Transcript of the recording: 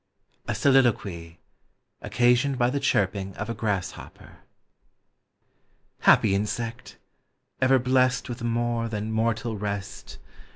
A SOLILOQUY: OCCASIONED BY THE CHIRPING OF A GRASSHOPPER. Happy insect! ever blest With a more than mortal rest.